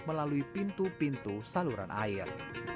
melalui pintu pintu saluran air